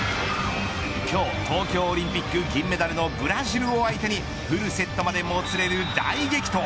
今日、東京オリンピック銀メダルのブラジルを相手にフルセットまでもつれる大激闘。